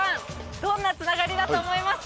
どんなつながりだと思いますか？